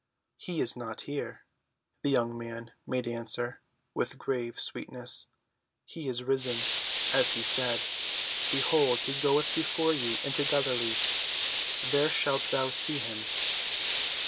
"He is not here," the young man made answer, with grave sweetness. "He is risen, as he said. Behold he goeth before you into Galilee; there shalt thou see him."